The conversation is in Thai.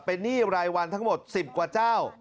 เป็นหนี้รายวันทั้งหมด๑๐กว่าเจ้า